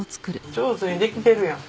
上手にできてるやん。